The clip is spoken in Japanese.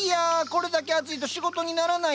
これだけ暑いと仕事にならないな。